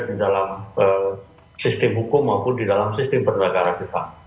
di dalam sistem hukum maupun di dalam sistem perdagangan kita